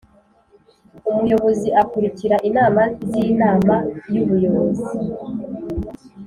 Umuyobozi akurikira inama z’Inama y’Ubuyobozi